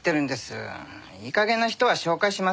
いい加減な人は紹介しませんよ。